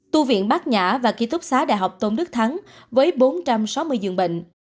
tu viện bác nhã và ký túc xá đại học tôn đức thắng với bốn trăm sáu mươi dường bệnh